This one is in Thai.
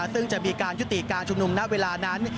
ซึ่งจะมีการยุติการชุมนุมณเวลานั้น